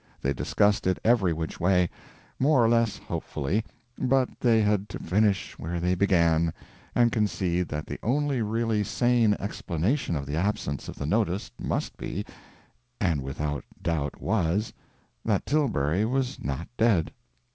They discussed it every which way, more or less hopefully, but they had to finish where they began, and concede that the only really sane explanation of the absence of the notice must be and without doubt was that Tilbury was not dead.